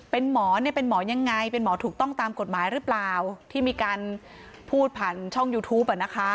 เป็นหมอเนี่ยเป็นหมอยังไงเป็นหมอถูกต้องตามกฎหมายหรือเปล่าที่มีการพูดผ่านช่องยูทูป